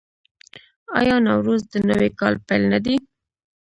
آیا نوروز د نوي کال پیل نه دی؟